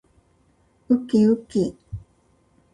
うきうき